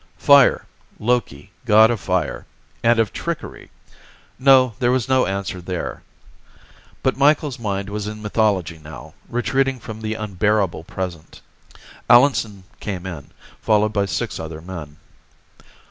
Fire. Loki, god of fire. And of trickery. No, there was no answer there. But Micheals' mind was in mythology now, retreating from the unbearable present. Allenson came in, followed by six other men.